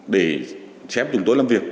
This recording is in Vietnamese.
để chém chúng tôi làm việc